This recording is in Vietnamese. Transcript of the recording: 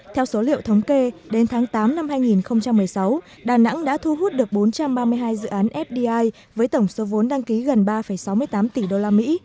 theo số liệu thống kê đến tháng tám năm hai nghìn một mươi sáu đà nẵng đã thu hút được bốn trăm ba mươi hai dự án fdi với tổng số vốn đăng ký gần ba sáu mươi tám tỷ đô la mỹ